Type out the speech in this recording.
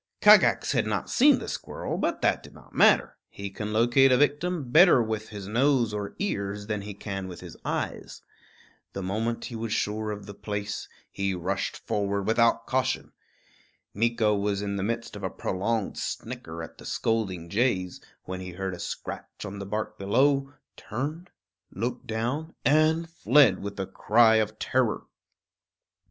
Kagax had not seen the squirrel; but that did not matter; he can locate a victim better with his nose or ears than he can with his eyes. The moment he was sure of the place, he rushed forward without caution. Meeko was in the midst of a prolonged snicker at the scolding jays, when he heard a scratch on the bark below, turned, looked down, and fled with a cry of terror.